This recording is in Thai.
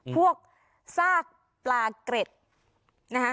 พวกซากปลาเกร็ดนะคะ